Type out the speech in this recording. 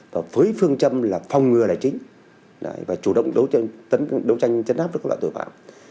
và với phương châm là phòng ngừa là chính và chủ động đấu tranh chấn áp các loại tội phạm